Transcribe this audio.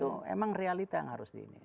itu emang realita yang harus di ini